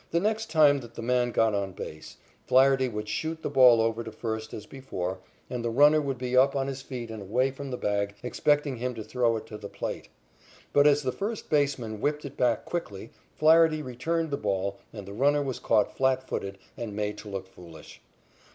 The next time that the man got on base, Flaherty would shoot the ball over to first as before, and the runner would be up on his feet and away from the bag, expecting him to throw it to the plate. But as the first baseman whipped it back quickly Flaherty returned the ball and the runner was caught flat footed and made to look foolish.